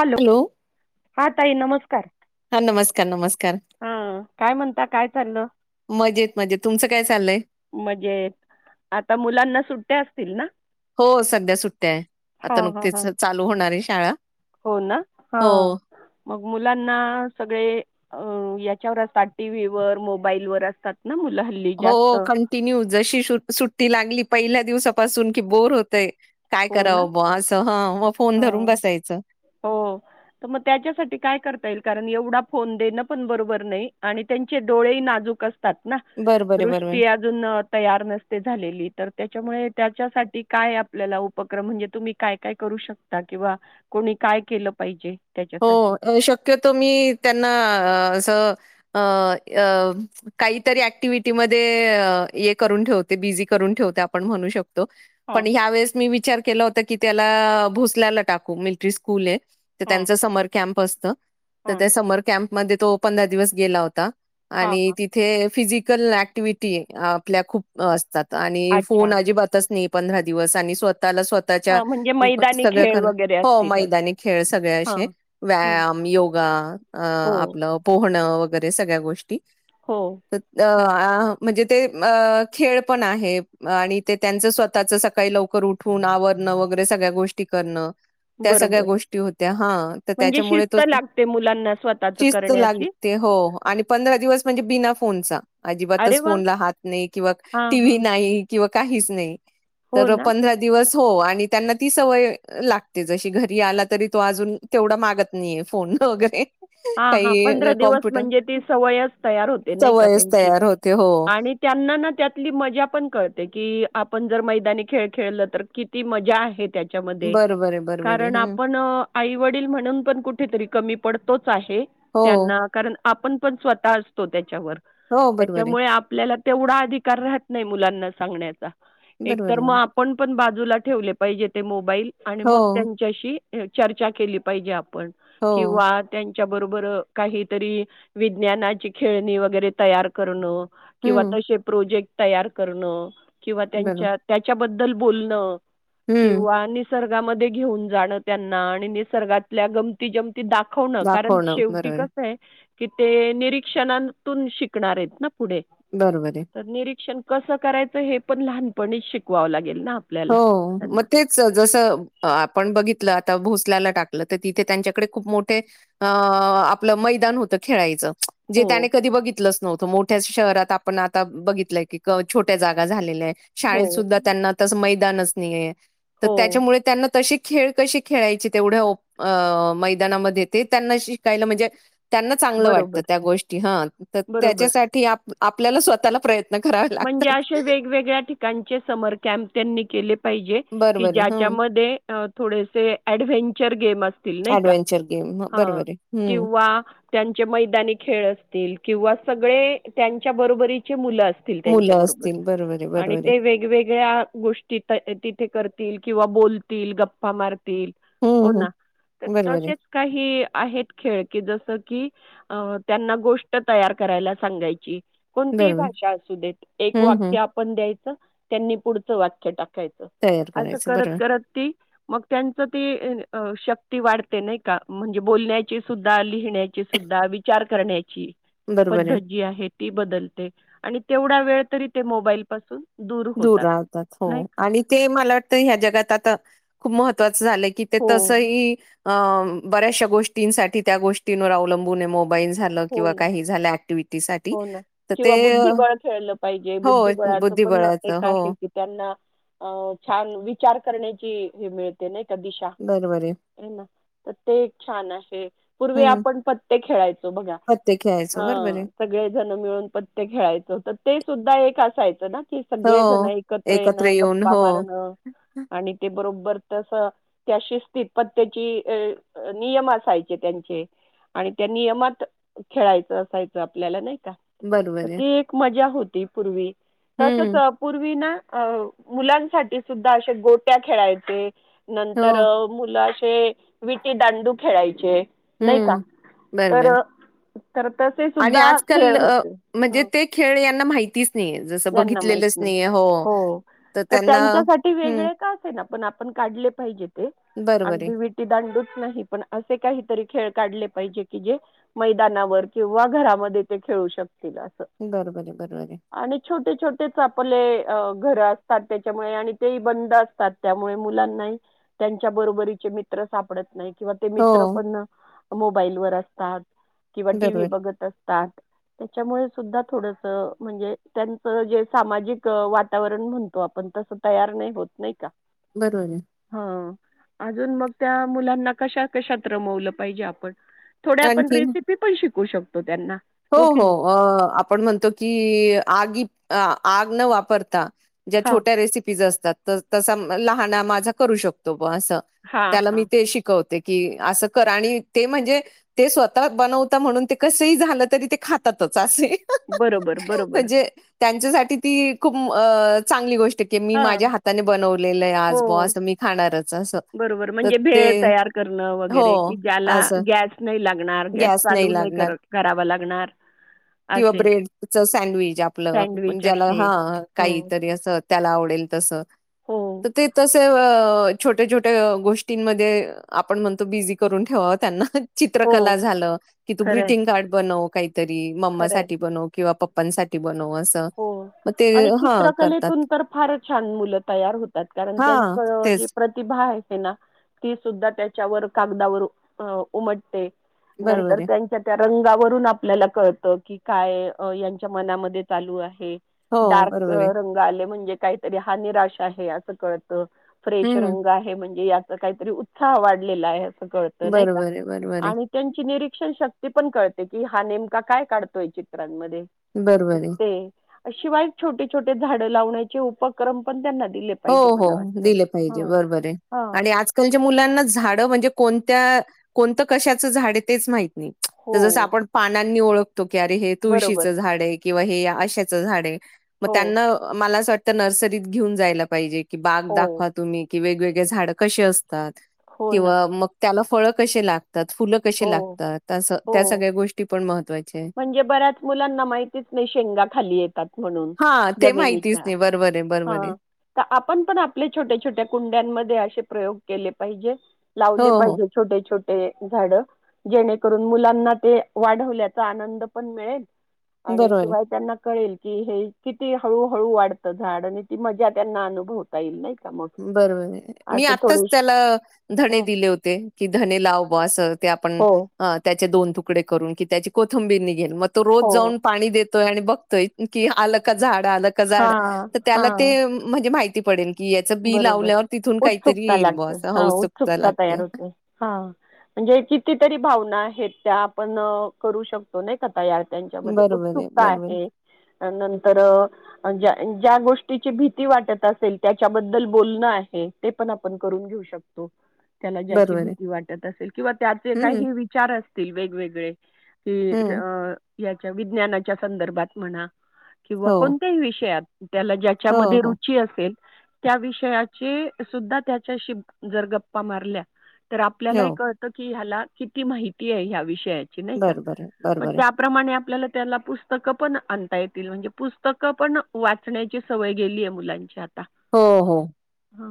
Hello हा ताई नमस्कार हा नमस्कार नमस्कार हा काय म्हणता काय चाललं मजेत मजेत तुमचं काय चाललंय मजेत आता मुलांना सुट ते असतील ना हो सध्या सुट्ट्या आहे. हा आता हा नुकतीच हा च चालू होणार ये. शाळा. हो ना हा हो मग मुलांना सगळे अ याच्यावर असतात. टी व्ही वर मोबाईल वर असतात. ना मुलं हल्ली हो जास्त कंटिन्यू जशी शु सुट्टी लागली पहिल्या दिवसापासून की बोर होतय. काय हो ना करावं ब असं ह मग फोन अ धरून बसायचं हो त म त्याच्यासाठी काय करता येईल कारण एवढा फोन देण पण बरोबर नाही आणि त्यांचे डोळे ही नाजूक अस तात ना बरोबर आहे बरोबर दृष्टी अजून अ तयार नसते झालेली तर त्याच्यामुळे त्याच्यासाठी काय आपल्याला उप क्रम म्हणजे तुम्ही काय काय करू शकता. किंवा कोणी काय केलं पाहिजे. हो त्याच्यासाठी? अ शक्यतो मी त्यांना अ असं अ अ काहीतरी ऍक्टिव्हटीमध्ये ये करून ठेवते. बिझी करून ठेवते आपण म्हणू शक तो पण हां, ह्या वेळेस मी विचार केला होता की, त्याला भोसल्याला टाकू मिलिट्री स्कूल ये. हां, त्यांचा समर कॅम्प अस त. तर हां, त्या समर कॅम्प मध्ये तो पंधरा दिवस गेला होता. हां, आणि हां. तिथे फिजिक कल ऍक्टिव्हटी ये आपल्या खूप असतात. आणि अच्छा. फोन अजिबातच नाही. पंधरा दिवस आणि स्व ताला स्वतःच्या हां, म्हणजे मैदानी सगळ खेळ करना वगैरे हो असतीलच. मैदानी खेळ सगळे असे हां. हं. व्यायाम योगा अ हो, आपल पोहणं व गैरे सगळ्या गोष्टी हो, त हो. अ म्हणजे ते अ खेळ पण आहे आणि ते त्यांच स्वतःच सकाळी लवकर उठून आवरणं वगैरे सगळ्या गोष्टी करण. त्या सगळ्या बरोबर. गोष्टी होत. हा त म्हणजे त्याच्यामुळे शिस्त तो लागते मुलांना स्वतःचं शिस्त करण्याची. लागते. हो आणि पंधरा दिवस म्हणजे बिना फोनचा अरे अजिबातच वाह! फोनला हात नाही. किंवा हां, टीव्ही हां. नाही. किंवा काहीच नाही. हो तर ना? पंधरा दिवस हो आणि त्यांना ती सवय लागते जशी घरी आला तरी तो अजून तेवढा मागत नाहीये फोन वगैरे हा हा पंध काही दिवस कॉम्प्युटर म्हणजे ती सवयच तयार होते नाही का सवयच त्यांची तयार होते हो आणि त्यांना ना त्यातली मजा पण कळते की आपण जर मैदानी खेळ खेळलं तर किती मजा आहे त्या बरोबर आहे बरोबर आहे ण हम्म आपण आई वडील म्हण पण कु क प आहे हो त्यांना कारण आपण पण स्वत असतो त्याच्यावर हो बरोबर आहे त्याच्यामुळे आपल्याला तेवढा अधिकार राहत नाही मुलांना सांगण्याचा एक बरोबर तर मग आहे आपण पण बाजूला ठेवले पाहिजे ते मोबाईल आणि हो मग त्यांच्याशी चर्चा केली पाहिजे आप ण हो किंवा च्या बरोबर काहीतरी विज्ञानाची खेळणी वगैरे तयार करणं किंवा हम्म तसे प्रोजेक्ट तयार करणं किंवा बरोबर त्यांच्या त्याच्याबद्ल बदल बोलणं हम्म किंवा निसर् घेऊन जाण त्यांना आणि निसर्ातल्या गमती जमती दाखव कारण दाखवणं शेवटी बरोबर कस आहे कि ते निरीक्षणतून शिकणार आहेत ना पुढे बरोबर आहे निरीक्षण कसं करायचं हे पण लहानपणीच शिकवावं लागत हो मग तेच जसं आपण बघितलं आ भोसल्याला टाकलं तर तिथे त्यांच्याकडे खूप मोठे अ आपलं मैदान होतं खेळायचं जे हो, त्याने कधी बघितलं असत नव्हत मोठ्या शहरात आपण आता बघितलंय की छोट्या जागा झालेल्या आहेत शाळेत हो, सुधा त्यांना मैदानच नाही आहे तर हो. त्याच्यामुळे त्यांना तशी खेळ कशी खेळायचे तेवढ्या अ मैदानामध्ये ते त्यांना शिकायला म्हणजे त्यांना चांगलं वाटतं बरोबर, त्या गोष्टी ह तर बरोबर. त्याच्यासाठी आपल्याला स्वतःला प्रयत्न करावे म्हणजे लागतात. असे वेगवेगळ्या ठिकाणचे समर कॅम्प त्यांनी केले पाहिजे की बरोबर आहे. हं. ज्याच्यामध्ये थोडेसे डव्हेंचर गेम अस क ऍडव्हेंचर गेम ह बरोबर आहे. हम्म त्यां मैदानी खेळ असतील किं सळे त्यांच्या बरोबरीचे मुलं मुलं त्यांच्याबरोबर असतील बरोबर आहे आणि बरोबर आहे. ते वेगवेगळ्या गोष्टी तिथे करतील किंवा बोलतील गप्पा मार हो हम्म हम्म ना तर बरोबर आहे तसेच काही आहेत खेळके जस की अ त्यांना गोष्ट तयार करायला सांगायची कोणती बरोबर भाषा अस एक हम्म हम्म वाक्य आपण द्यायचं त्यांनी पुढचं वाक्य टाक तयार करायचं बरोबर म त्यां ती वाढते नाही का म्हणजे बोलण्याची सुद्धा लिहिण्याची सुद्धा विचार करण्याची पद्धत जी आहे ती बदलते आणि थोडा वेळ तरी ते मोबाईल पासून दूर राहतात हो आणि ते मला वाटतंय ह्या जगात आता खूप महत्त्वच च झालंय की ते हो, तसही अ बऱ्याशा गोष्टींसाठी त्या गोष्टींवर अवलंबून आहे मोबाईल झाला हो किंवा ना, काही झालं ऍक्टिव्हिटी साठी हो ना. तर ते किंवा बुद्धिबळ खेळलं पाहिजे. हो बुद्धिबळाचं पण बुधिबळा आहे की त्यांना छान विचार करण्याची ही मिळते नाही दिशा बरोबर आहे. ना तर ते एक छान आहे पूर्वी हम्म आपण पत्ते खेळायचे पत्ते खेळायचो बरोबर आहे. सगळे जण पत्ते खेळायचे तर ते सुद्धा असायचं ना [unintelligible] सगळे जण हो एकत्र येण येऊन गप्पा हो मारणं आणि ते बरो बर तसं त्या पत्त्यात नियम असायचे त्यांचे आणि त्या नियम खेळायचं असायचं आपल्याला नाही तर बरोबर आहे. ती एक एक मजा होती ती पूर्वी तसच हं. पूर्वी ना अ मुलांसाठी सुद्धा अशे गोट्या खेळायचे. नंतर हो. मुला ते विटी दांडू खेळायचे. नाही का हं. बरोबर. तर आहे. तर तसे आणि सुद्धा खेळ होते. ह्यांना माहितीच. नाहीये. जसं ज्यांना माहित बघितलेलंच नाही नाहीये. हो तर त्यांच्यासाठी हं. वेगळे का असे ना पण आपण काढले पाहिजेत. अ आणि बरोबर आहे. ते विटी दांड नाही पण असे काहीतरी खेळ काढले पाहिजे की जे मैदानावर किंवा घरामध्ये ते खेळू शकत. बरोबर आहे बरोबर आहे. छोटे छोटे आपले घर असतात त्याच्यामुळे आणि ते बंद असतात त्यामुळे मुलांना त्यांच्या बरोबरीचे मित्र सापडत नाही. किंवा ते मित्र हो. पण मोबाईल वर अस. ह. किंवा टी व् बरोबर. बघत असतात त्याच्यामुळे सुद्धा थोडस म्हणजे त्यांचं जे सामाजिक वातावरण म्हणतो आपण तसं तयार नाही होत नाही का? बरोबर आहे. हा अजून मग. त्या मुलांना कशा कशात रमवलं पाहिजे आपण थोड्या आपण आणखीन? रेसिपी पण शिक. शू शकतो त्यांना हो की हो नाही आपण म्हणतो की आगी आग न वापरता. ज्या हां छोट्या रेसिपीज असतात तर त लहाान माझा करू शकतो. अस हां त्याला मी हां ते शिकवते. कि असं कर आणि ते म्हणजे ते स्वतः बनवता म्हणून ते कस झालं. तरी ते खातातच असे. बरोबर बरोबर. म्हणजे त्यांच्यासाठी ती खूप चांगली गोष्ट. मी हां. माझ्या हाताने बनवलेलं आहे आज ब हो. असं मी खाणारच. असं. बरोबर तर म्हणजे ते भेळ तयार करण हो, वगैरे की ज्याला असं गॅस नाही लागणार गॅस चालू नाही करावा लागणार. किंवा असे ब्रेड सडविच आपलंण सँडविच ज्याला आहे. हा हो. काहीतरी अस त्याला आवडेल तस हो. तर ते तस. छोट्या छोट्या गोष्टींमध्ये आपण म्हणतो बिझी करून ठेवा त्यांना चित्रकला हो. झालं की तू खरं आहे. ग्रीटिंग कार्ड बनव तरी खरं आहे. मम्मासाठी बन किंवा प् पणसाठी बोल हो आणि करतात चित्रकलेतून तर फार छान मुलं तयार होतात कारण हा त्यांच जे तेच प्रतिभा आहे हे ना ती सुद्धा त्याच्यावर कागदावर उमटते बरोबर नंतर आहे त्यांच्या त्या रंगावरून आपल्याला कळत की काय यांच्या मनामध्ये चालू आहे हो डार्क बरोबर आहे रंग आ म्हणजे काहीतरी हा निराश आहे असं कळत फ्रेश हम्म रंग आहे म्हणजे काहीतरी उत्साह वाढलेला आहे कत नाही का बरोबर आहे बरोबर आहे आणि त्यांची नि शिक्षण शक्ती पण कळते की हा नेमका काय काढतोय चित्रांमध्ये बरोबर आहे ते शिवाय छोटे छोटे झाडं लावण्याचे उपक्रम पण त्यांना दिले पाहिजे हो मला हो वाटतं. दिले पाहिजे हं, बरोबर आहे हं. आणि आजकालच्या मुलांना झाडं म्हणजे कोण त्या कोणतं कशाचं झाड आहे तेच माहि स हो, आपण पाना ओळख तो की अरे हे बरोबर. तुळशीचं झाड आहे किंवा हे अशाचं झाड आहे मग हो, त्यांना मला असं वाट तर नर्सरीत घेऊन जायला पाहिजे कि बाग हो, दाखवा तुम्ही कि वेगवेगळे झाड कसे असत हो ना. किंवा म त्याला फळं कसे लाग फुलं हो, कशी लागतात त्या हो. सगळ्या गोष्टी पण मह म्हणजे बऱ्याच मुलांना माहितीच नाही शेंगा खाली येतात म्हणून हां, ते माहितीच जमिनीच्या नाही. बरोबर आहे, बरोबर आहे. हा तर आपण पण आपल्या छोट्या छोट्या कुंड्यांमध्ये असे प्रयोग केले पाहिजे लावले हो, हो. पाहिजे छोटे छोटे झाड जेणे मुलाना ते वाढवल्या आनंद पण मिळेल आणि बरोबर आहे. शिवाय त्यांना कळेल कि हे किती हळूहळू वाढतं झाड आणि ती मजा त्यांना अनुभवता येईल नाही का मग बरोबर मी असं आत्ताच थोडीशी त्याला धणे हं. दिले होते की धणे लाव ब अस ते आपण हो त्याचे दोन तुकडे करून कि त्याची कोथंबीर नि मग तो रोज हो जाऊन पाणी देत य आणि बघतोय की आल झाड आलं झाड हां त्याला हां ते म्हणजे माहिती पडेन की याचं बी बरोबर लावल्यावर तिथून काहीतरी उत्सुकता येईल बुवा लागते असं हा उत्सुकता तयार लागते. होते हा म्हणजे कितीतरी भावना आहेत त्या आपण करू शकतो नाही कता यात त्यांच्यामध्ये बरोबर उत्सुकता बरोबर, आहे नंतर ज्या गोष्टीची भीती वाटत असेल त्या बद्ल बण आहे ते पण आपण करून घेऊ शकतो त्याला ज्याची बरोबर आहे. भीती वाटत असेल किंवा त्याचे हं, काही विचार अस तील वेगवेगळे हि हं. अ याच्या विज्ञानाच्या संदर्भात म्हणा किंवा हो, कोणत्याही विषयात त्याला हो, ज्याच्यामध्ये हो, रुची असेल त्या विषयाचे सुद्धा त्याच्याशी जर गप्पा मारल्या तर आपल्याला हो. कळतं की ह्याला किती माहिती आहे हविषयी बरोबर आहे, [inaudible] बरोबर आहे. आपल्याला त्याला पुस्तकं पण आणता येतील म्हणजे पुस्तकं पण वाचण्याची सवय गेली आहे मुलांची आता हो हो हा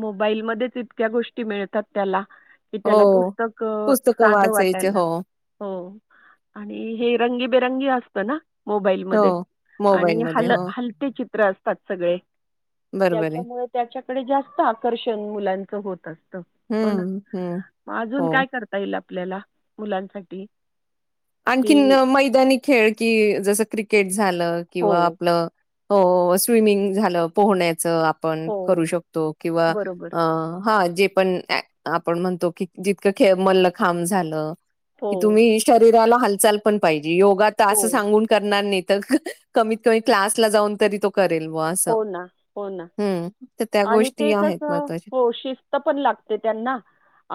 मोबाईलमध्येच इतक्या गोष्टी मिळतात त्याला कि त्याला हो. पुस्तक पुस्तकं साधं वाचायचे. वाटायला हो, लागत हो आणि हे रंगीबेरंगी असत ना हो. मोबाईलमध्येध्ये आणि मोबाईलमध्ये. हल हलते चित्र असते त्याात सगळे बरबर त्यामुळे त्याच्या तरी जास्त आकर्षण मुलांच होत असतं. हो ना. हं, हं. म अजून हो. काय करता ईल आप ल्याला मुलांसाठी आणखीन की मैदानी खेळ, की जसं क्रिकेट झालं हो, किंवा आपलं हो स्विमिंग झालं पोहण्याचं आ पण करू हो. शकतो किंवा बरोबर. अ हां जेपण आपण म्हणतो की, जितकं खेळ मल्ल खांब झालं हो, की तुम्हीही शोध राला हलचाल पण पाहिजे. योगा तर हो. असं सांगून करणार नाहीत कमीत कमी क्लासला जाऊन तरी तो करेल बुवा असं. हो ना. हो ना. हं, तर त्या आणि गोष्टी ते आहेत कसं महत्त्वाच्या. हो शिस्त पण लागते त्यांना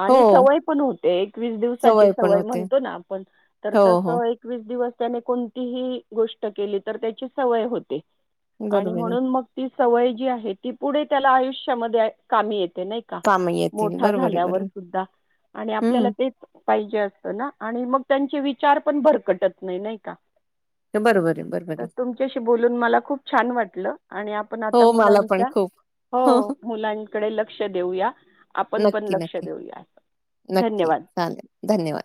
आणि हो, सवय पण होते एकवीस दिवसाची पण सवय होते. म्हणतो ना आपण तर हो, हो. तसं एकवीस दिवस त्याने कोणतीही गोष्ट केली, तर त्याची सवय होते. आणि बरोब म्हणून मग ती सवय जी आहे, ती पुढे त्याला आयुष्यामध्ये कामी येते. नाही का, काम येतील मोठा बरोबर आहे झाल्यावर बरोबर सुद्धा आणि आपल्याला हम्म तेच पाहिजे असतं ना आणि मग त्यांचे विचारपण भरकटत नाही, नाही का? ते बरोबर आहे बरोबर तर आहे तुमच्याशी बोलून मला खूप छान वाटलं. आणि आपण आता हो मला पण मुलांच्या खूप हो मुलांकडे लक्ष देऊया. आपणपण नक्की लक्ष नक्की देऊया. नक्की धन्यवाद. चालेल धन्यवाद